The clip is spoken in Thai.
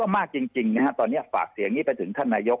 มากจริงนะครับตอนนี้ฝากเสียงนี้ไปถึงท่านนายก